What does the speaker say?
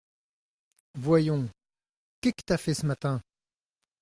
Voyons… qué qu’tas fait ce matin ?